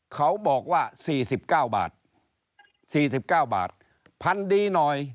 เขาบอกว่า๔๙บาท๔๙บาทพันดีหน่อย